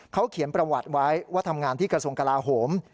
เขาเขียนประวัติไว้ว่าทำงานที่กระทรวงกลาโหม